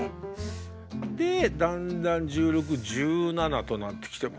でだんだん１６１７となってきて。